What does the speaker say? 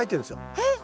えっ！